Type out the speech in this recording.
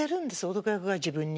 男役が自分に。